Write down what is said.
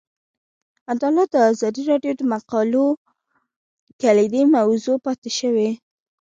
عدالت د ازادي راډیو د مقالو کلیدي موضوع پاتې شوی.